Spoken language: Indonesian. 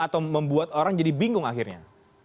atau membuat orang jadi bingung akhirnya